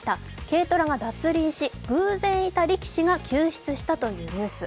軽トラが脱輪し、偶然いた力士が救出したというニュース。